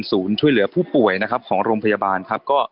ศูนย์ช่วยเหลือผู้ป่วยนะครับ